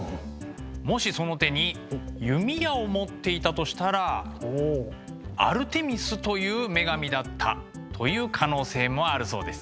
もしその手に弓矢を持っていたとしたらアルテミスという女神だったという可能性もあるそうです。